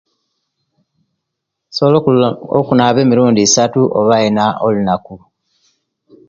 Nsobola okunaba emirundi isatu oba ina olunaku